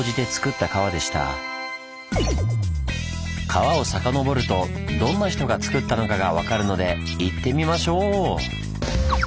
川をさかのぼるとどんな人がつくったのかがわかるので行ってみましょう！